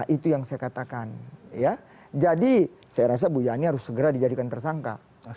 itu yang saya katakan ya jadi saya rasa bu yani harus segera dijadikan tersangka